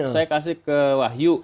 saya kasih ke wahyu